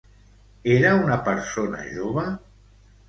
Era una persona jove?